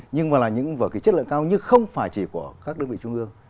nhưng mà là những vở kịch chất lượng cao nhưng không phải chỉ của các đơn vị trung ương